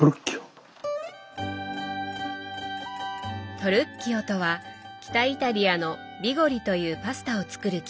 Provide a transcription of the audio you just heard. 「トルッキオ」とは北イタリアのビゴリというパスタを作る機械。